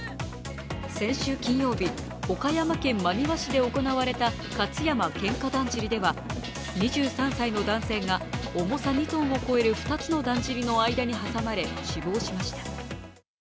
先週金曜日、岡山県真庭市で行われた勝山喧嘩だんじりでは２３歳の男性が重さ２ｔを超える２つのだんじりの間に挟まれ死亡しました。